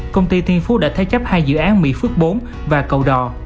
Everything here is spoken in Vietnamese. công ty thiên phú đã thế chấp hai dự án mỹ phước bốn và cầu đò